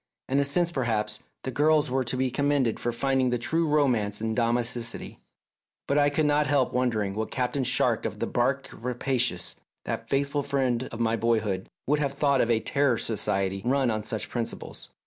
In a sense, perhaps, the girls were to be commended for finding the true romance in domesticity, but I could not help wondering what Captain Shark of the barque Rapacious , that faithful friend of my boy 1 hood, would have thought of a Terror Society run on such principles.